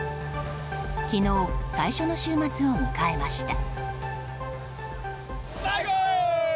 昨日、最初の週末を迎えました。